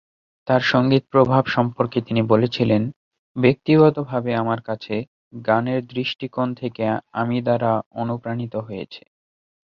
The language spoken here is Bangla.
তাঁর সংগীত প্রভাব সম্পর্কে তিনি বলেছিলেন: "ব্যক্তিগতভাবে আমার কাছে, গানের দৃষ্টিকোণ থেকে আমি দ্বারা অনুপ্রাণিত হয়েছি"।